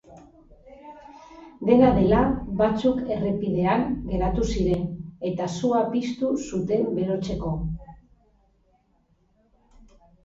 Dena dela, batzuk errepidean geratu ziren, eta sua piztu zuten berotzeko.